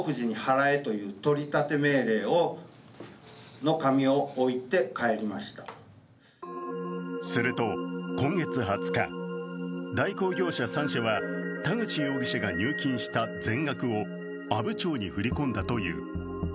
阿武町の弁護士はすると今月２０日、代行業者３社は田口容疑者が入金した全額を阿武町に振り込んだという。